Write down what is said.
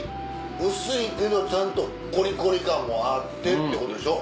薄いけどちゃんとコリコリ感もあってってことでしょ。